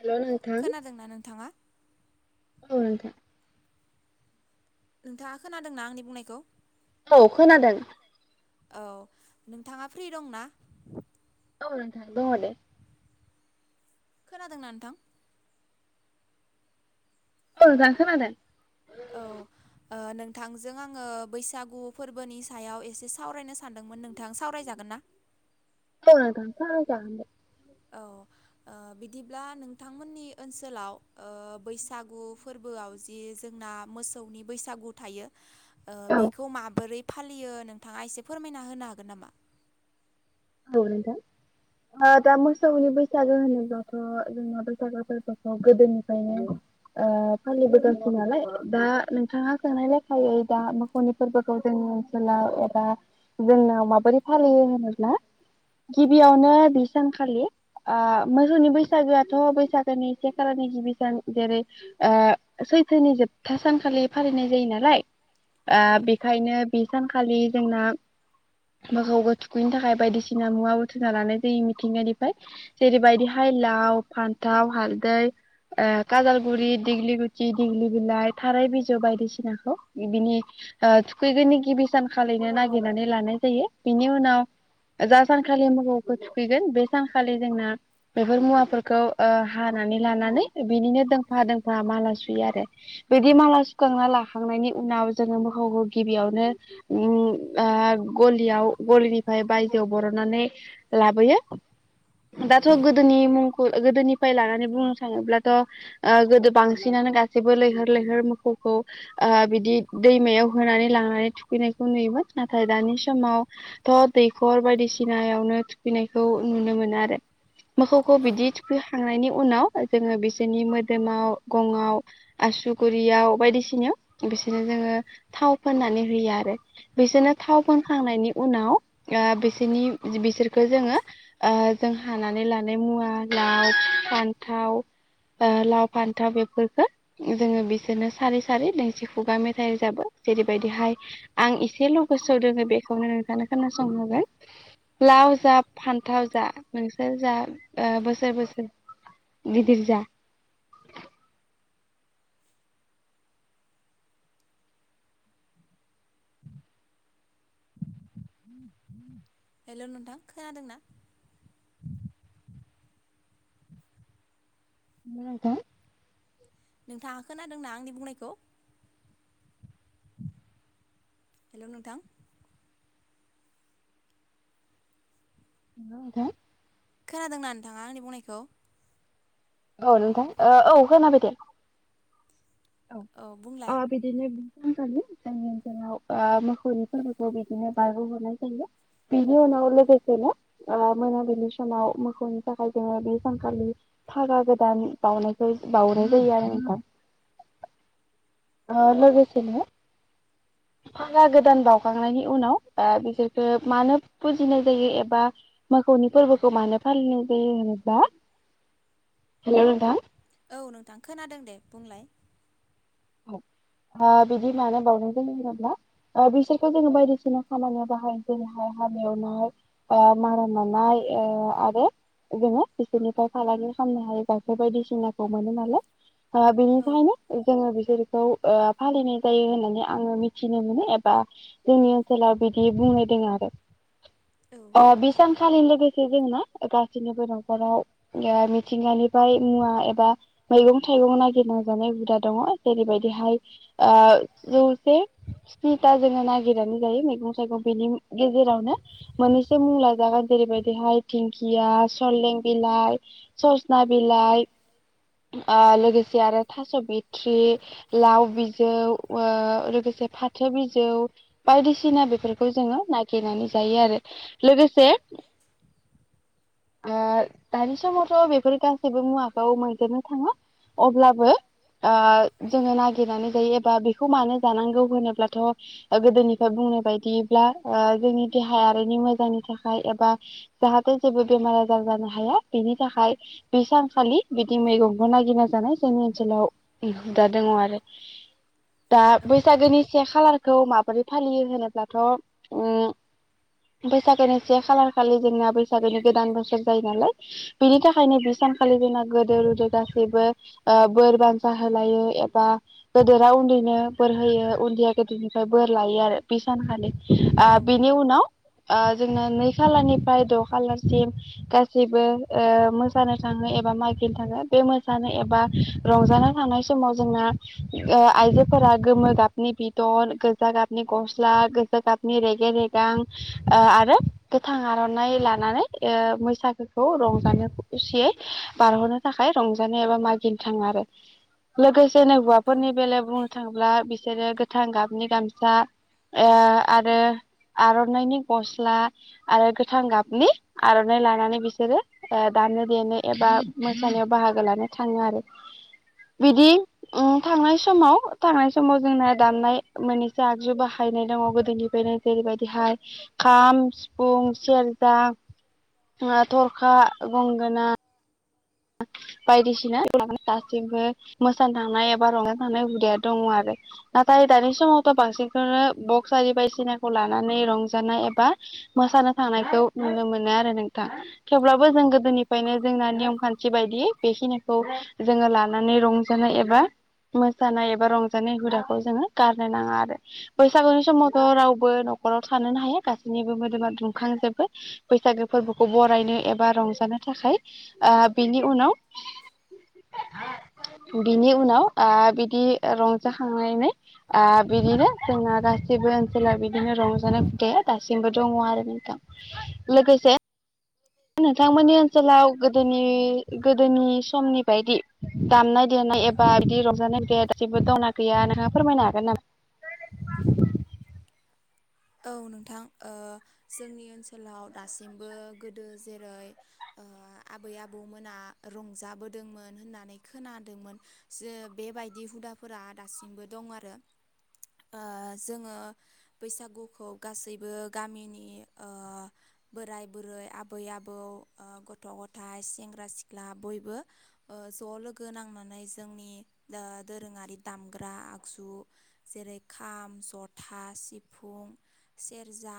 हेल' खोनादोंना नोंथाङा? ओ नोंथां। नोंथाङा खोनादोंना आंनि बुंनायखौ? औ खोनादों। औ नोंथाङा फ्रि दंना औ नोंथां दङो दे खोनादोंना नोंथां औ नोंथां खोनादों औ नोंथांजों आङो बैसागु फोरबोनि सायाव एसे सावरायनो सानदोंमोन नोंथां सावरायजागोन ना [unintelligible] औ नोंथां सावराय जागोन दे औ ओ बिदिब्ला नोंथांमोननि ओनसोलाव ओ बैसागु फोरबो मोसौआव जि जोंना मोसौनि बैसागु थायो। ओ औ बेखौ माबोरै फालियो नोंथाङा एसे फोरमायना होनो हागोन नामा? औ नोंथां। दा मोसौनि बैसागो होनोब्लाथ' जों बैसागो फोरबोखौ गोदोनिफ्रायनो ओ फालिबोगासि नालाय दा नोंथाङा सोंनाय लेखायै दा मोसौनि फोरबोखौ जों ओनसोलाव एबा जोंनाव माबोरै फालियो होनोब्ला। गिबियावनो बि सानखालि। ओ मोसौनि बैसागोआथ' बैसागोनि से खालारनि गिबि सान जेरै ओ सैथोनि जोबथा सानखालि फालिनाय जायो नालाय औ ओ बेखायनो बे सानखालि जोंना मोसौखो थुखैनो थाखाय बायदिसिना सिना मुवा बुथुमना लानाय जायो मिथिंगानिफ्राय जेरैबायदिहाय लाव फान्थाव हालदै काजालगुरि दिग्लि गुटि दिग्लि बिलाइ थाराय बिजौ बायदिसिनाखौ बिनि ओ थुखैगोननि गिबि सान खालिनो नागिरनानै लानाय जायो बिनि उनाव जा सानखालि मोखौखौ थुखैगोन बे सानखालि जोंना बेफोर मुवाफोरखौ ओ हानानै लानानै बिनिनो दोंफा दोंफा माला सुयो आरो बिदि माला सुखांना लाखांनायनि उनाव नाव जों मोखौखौ गिबियावनो उम ओ गालियाव गलिनिफ्राय बाय जोआव बरननानै लाबोयो दाथ' औ गोदोनि मुंखौ गोदोनि फाय लानानै बुंनो थाङोब्लाथ' ओ गोदो बांसिनानो गासैबो लैहोर लैहोर मोसौखौ ओ बिदि दैमायाव होनानै लांनानै थुखैनायखौ नुयोमोन नाथाय दानि समावथ' दै नखर बायदिसिनायावनो थुखैनायखौ नुनो मोनो आरो। मोसौखौ औ बिदि थुखैखांनायनि उनाव जोङो बिसोरनि मोदोमाव गंआव आसुगुरियाव बायदिसिनायाव बिसोरनो जों जोङो थाव फोननानै होयो आरो बिजोंनो थाव फोनखांनायनि उनाव ओ बिसोरनि बिसोरखो जोङो ओ जों हानानै लानाय मुवा लाव फान्थाव ओ लाव फान्थाव बेफोरखो जोङो बिसोरनो सारि सारि दोंसि खुगा मेथाइ रोजाबो। जेरैबायदिहाय आं एसेल' गोसोआव दोङो बेखौनो नोंथानो खोनासंहोबाय औ लाव जा फान्थाव जा नोंसोर जा ओ बोसोर बोसोर गिदिर जा। [inaudible] हेल' नोंथां खोनादोंना? [inaudible] [unintelligible] नोंथाङा खोनादोंना आंनि बुंनायखौ? हेल' नोंथां। [unintelligible] खोनादोंना नोंथाङा आंनि बुंनायखौ? औ नोंथां औ खोनाबायदे। औ बुंलाय। बिदिनो बि ओनसोलाव ओ मोखौनि फोरबोखौ जों बिदिनो बारबो हरनाय जायो। बिनि उनाव लोगोसेनो ओ मोनाबिलि समाव मोसौनि थाखाय जोङो बे सानखालि फागा गोदान बावउनायखौ बावउनाय जायो आरो नोंथा ओ लोगोसेनो फागा गोदान बावउखांनायनि उनाव बिसोरखो मानो फुजिनाय जायो एबा मोखौनि फोरबोखौ मानो फालिनाय जायो होनोब्ला [inaudible] हेल' नोंथां औ नोंथां खोनादों दे बुंलाय। ओ बिदि मानो बावनाय जायो होनोब्ला। बिसोरखौ जोङो बायदिसिना खामानियाव बाहायो जेरैहाय हाल एवनाय ओ मारान दाननाय ओ आरोे जोङो बिसोरनिफ्राय फालांगि खालामनो हायो गाइखेर बायदिसिनाखौ मोनो नालाय औ बिनिखायनो जोङो बि सोरखौ ओ फालिनाय जायो होननानै आङो मिथिनो मोनो एबा जोंनि ओनसोलाव बिदि फोरमायदों आरो औ अ बिसान सालि लोगोसे जोंना गासिनिबो न'खराव मिथिंगानिफ्राय मुवा एबा मैगं थाइगं नागिरना जानाय हुदा दङ जेरैबायदिहाय ओ जौसे स्नि था जोङो नागिरनानै जायो मैगं थाइगं बिनि गेजेरावनो मोननैसो मुं लाजागोन जेरैबादिहाय दिंखिया, सलें बिल, लाइ, सजना बिलाइ, लोगोसे आरो थास' बिथ्रि लाउ बिजौ लोगोसे फाथो बिजौ बायदिसिना बेफोरखौ जों नागिरनानै जायो आरो लोगोसे [inaudible] ओ दानि समावथ' बेफोर गासैबो मुवाखौ मोनजोबनो थाङा अब्लाबो ओ जोङो नागिरनानै जायो एबा बेखौ मानो जानांगौ होनोब्लाथ' गोदोनिफ्राय बुंनाय बायदिब्ला ओ जोंनि देहायारिनि मोजांनि थाखाय एबा जाहाथे जेबो बेमार आजार जानो हाया बिनि थाखाय बे सानखालि बिदि मैगंखौ नागिरना जानाय जोंनि ओनसोलाव दा दङ आरो दा औ बैसागोनि से खालारखौ मा बादि फालियो होनोब्लाथ' ओम बैसागोनि से खालार खालि जोंना बैसागोनि गोदान बोसोर जायो नालाय बिनि थाखायनो बि सानखालि जोंना गोदोर गोदोर गासैबो ओ बोर बानसा होलायो एबा गोदेरा उन्दैनो बोर होयो उन्दैया गोदोरनिफ्राय बोर लायो आरो बि सानखालि आ औ बिनि उनाव ओ जोङो नै खालारनिफ्राय द' खालारसिम गासिबो ओ मोसानो थाङो ए बा मागिनो थाङो बे मोसानो एबा रंजानो थांनाय समाव जोंना ओ आइजोफोरा गोमो गाबनि बिदन गोजा गाबनि गस्ला गोजा गाबनि रेगे रेगां ओ आरो गोथां आर'नाइ लानानै ओ बैसागोखौ रंजानो खुसियै बारह'नो थाखाय रंजानो एबा मागिनो थाङो आरो लोगोसेनोै औ हौवाफोरनि बेलायाव बुंनो थाङोब्ला बिसोरो गोथां गाबनि गामसा ओ आरो आर'नाइनि गस्ला आरो गोथां गाबनि आर'नाइ लानानै बिसोरो ओ दामनो देनो एबा मोसानायाव बाहागो लानो थाङो आरो [inaudible] बिदि उम थांनाय समाव थांनाय समाव जोंना दामनाय मोननैसो आगजु बाहायनाय दं गोदोनिफ्रायनो जेरैबायदिहाय खाम सिफुं सेरजा थरखा, गंगोना बायदिसिना दासिमबो मोसानो थांनाय एबा रंजाखांनाय हुदाया दङ आरो नाथाय दानि समावथ' बांसिनखौनो बक्स आरि बायसिनाखौ लानानै रंजानाय एबा मोसानो थांनायखौ नुनो मोनो आरो नोंथां थेवब्लाबो जों औ गोदोनिफ्रायनो जोंना नेमखा न्थि बेखिनिखौ जोङो लानानै रंजानाय एबा मोसानाय एबा रंजानाय हुदाखौ जोङो गारनो नाङा आरो बैसागुनि समावथ' रावबो न'खराव थानोनो हाया गासैनिबो मोदोमा दुंखांजोबो बैसागो फोरबोखौ बरायनो एबा रंजानो थाखाय ओ बेनि उनाव बिनि उनाव आ बिदि रंजाखांनानै आ बिदिनो जोंना गास सिबो ओनसोलाव बिदिनो रंजानाय हुदाया दासिमबो दङ आरो नोंथां लोगोसे नोंथांमोननि ओनसोलाव गोदोनि गोदोनि समनि बायदि दामनाय देनाय नाय एबा बिदि रंजानाय बे दासिमबो दंना गैया नोंहा फोरमायनो हागोन नामा? औ नोंथां ओ जोंनि ओनसोलाव दासिमबो गोदो जेरै ओ ओ आबै आबौ मोना रंजाबोदोंमोन होननानै खोनादोंमोन जो बेबायदि हुदाफोरा दा दासिमबो दं आरो। ओ जोङो बैसागुखौ गासैबो गामिनि ओ बोराइ बुरै आबै आबौ ओ गथ' गथाय सें सेंग्रा सिख्ला बयबो ओ ज' लोगो नांनानै जोंनि ओ दोरोङारि दामग्रा ग्रा आगजु जेरै खाम, जथा, सिफुं, सेरजा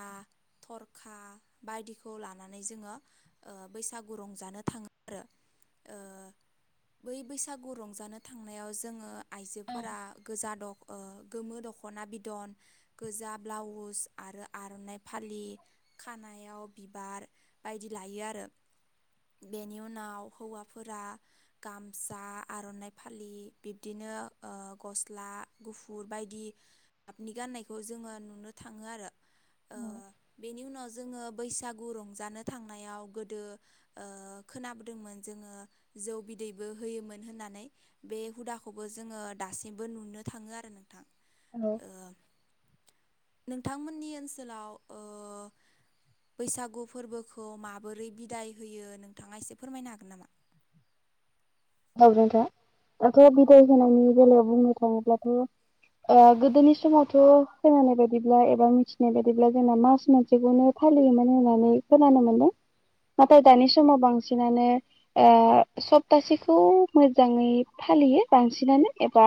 थरखा बायदिखौ लानानै जोङो ओ बैसागु रंजानो थाङो। रो ओ बै बैसागु रंजानो थांनायाव जोङो आइजोफोरा गोजा दख ओ गोमो दख'ना बिदन गोजा ब्लाउस आरो आर'नाइ फालि खानायाव बिबार बायदि लायो आरो। बेनि उनाव हौवाफोरा गामसा आर'नाइ फालि बिब्दिनो ओ गस्ला गुफुर बायदि ‌गाबनि गाननायखौ जोङो नुनो थाङो आरो। ओ बेनि उनाव जोङो बैसागु रंजानो थांनायाव गोदो ओ खोनाबोदोंमोन जोङो जौ बिदैबो होयोमोन होननानै बे हुदाखौबो जोङो दा दासिमबो नुनो थाङो आरो नोंथां। हेल' ओ नोंथांमोननि ओनसोलाव ओ बैसागु फोरबोखौ माबोरै बिदाय होयो नों थाङा एसे फोरमायनो हागोन नामा? औ नोंथां दाथ' बिदाय होनायनि बेलायाव बुंनो थाङोब्लाथ' ओ गोदोनि समावथ' खोनानाय बायदिब्ला एबा मिथिनाय बायदिब्ला जोंना मास मोनसेखौनो फालियोमोन होननानै खोनानो मोनदों। नाथाय दानि समाव बांसिनानो ओ सफ्तासे खौ मोजाङै फालियो बांसिनानो एबा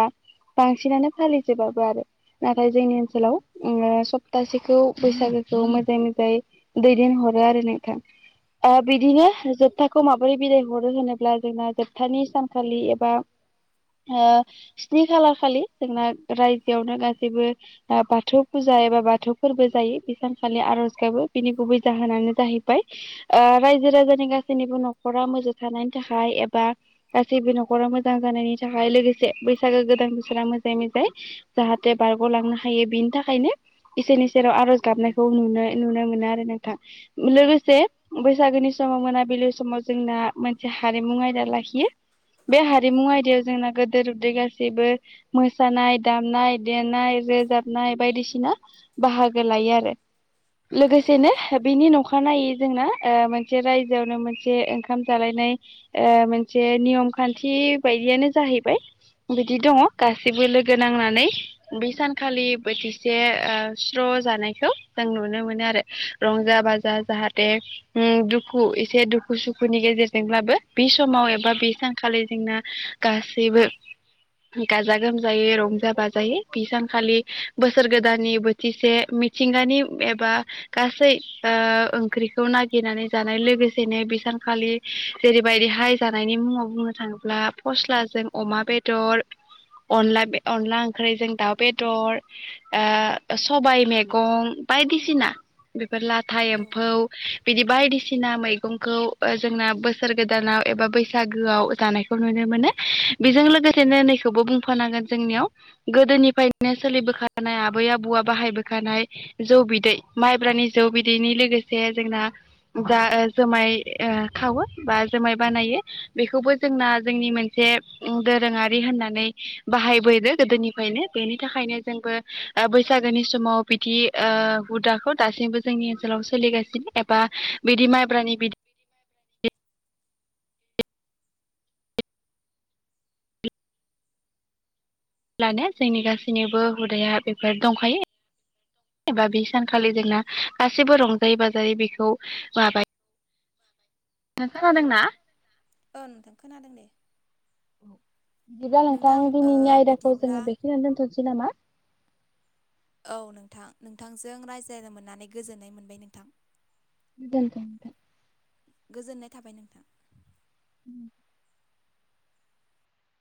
बांसिनानो फालिजोबाबो आरो। नाथाय जोंनि ओनसोलाव ओ सफ्तासेखौ बैसागोखौ मोजाङै मोजाङै दैदेनहर हरो आरो‌ नोंथां आ औ बिदिनो जोबथाखौ माबोरै बिदाइ हरो होनोब्ला जोंना जोब थानि सानखालि एबा ओ स्नि खालारखालि जोंना रायजोआवनो गासैबो ओ बाथौ फुजा जा बा एबा बाथौ फोरबो जायो बे सानखालि आर'ज गाबो बिनि गुबै जाहोनानो जाहैबाय आ राय रायजो राजानि गासैनिबो न'खरा मोजां थानायनि थाखाय एब बा गासैबो न'खरा मोजां जानायनि थाखाय लोगोसे बैसागो गोदान बोसोरा मोजाङै मोजाङै जाहाथे बारग'लांनो हायो बिनि थाखायनो इसोरनि सेराव आरज गाबनायखौ नुनाय नुनो मोनो आरो नोंथां लोगोसे बैसागोनि समाव मोनाबिलि समाव जोंना मोनसे हारिमुं आयदा लाखियो। बे हारिमु आयदायाव जोंना गोदोर उन्दै गासैबो मोसानाय दामनाय देनाय रोजाबनाय बायदिसिना बाहाग ‌लायो आरो लोगोसेनो बिनि अखानायै जोंना‌ मोनसे ओ रायजोआवनो मोनसे ओंखाम जालायनाय ओ मोन से नियम खान्थि बायदियानो जाहैबाय बिदि दङ गाैबो लोगो नांनानै बै सानखालि बोथिसे ओ स्र' जानायखौ जों नुनो मोनो आरो रंजा बाजा जाहाथे दुखु एसे दुखु सुखुनि गेजेरजोंब्लाबो बे समाव एबा बा बे सानखालि जोंना गासैबो गाजा गोमजायै रंजा बाजायै बे सानखालि बोसोर गोदाननि बोथिसे मिथिंगानि एबा गासै ओ ओंख्रिखौ नागिरनानै जानाय लोगोसेनो सानखालि जेरैबायदिहाय जानायनि मुङाव बुंनो थाङोब्ला फस्लाजों अमा बेदर अनला अनला ओंख्रि जों दाउ बेदर ओ सबाय मैगं बायदिसिना बे लाथा एम्फौ बिदि बायदिसिना मैगंखौ जोंना बोसोर गोदानाव एबा बैसागोआव जानायखौ नुनो मोनो बेजों लोगोसेनो नैखौबो बुंफानांगोन जोंनियाव गोदोनिफ्रायनो सोलिबोखानाय आबै आबौआ बाहायबोखानाय जौ बिदै माइब्रानि जौ बिदैनि लोगोसे जोंना दा जुमाय खावो बा जुमाय बानायो बेखौबो जोंना जोंनि मोनसे दोरोङारि होननानै बाहायबोदों गोदो निफ्रायनो बेनि थाखायनो जों बैसागोनि समाव बिदि ओ हुदाखौ दासिमबो जोंनि ओनसोलाव सोलिगासिनो एबा बिदि माइब्रानि बिदै अब्लानो जोंनि गासैनिबो हुदाया बेफोर दंखायो। एबा बे सानखालि जोंना गासिबो रंजायै बाजायै बेखौ माबा औ औ नोंथां खोनादों दे बिदिब्ला नोंथां ओ दिनैनि आयदाखौ बिदिब्ला जोङो बेखिनिनो दोनथ'नोसै। नामा? औ नोंथां नोंथांजों रायज्लायनो मोननानै गोजोननाय मोनबाय नोंथां। [inaudible] गोजोननाय थाबाय नोंथां।